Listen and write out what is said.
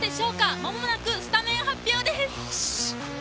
間もなくスタメン発表です。